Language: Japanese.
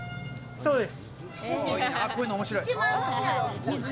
そうです。